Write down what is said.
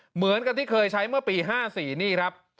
เหมือนกับที่เคยใช้เมื่อปี๕๔นี่ครับ